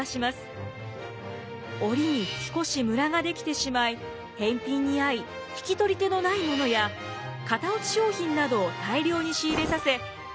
織りに少しムラが出来てしまい返品にあい引き取り手のないものや型落ち商品などを大量に仕入れさせ安さを追求。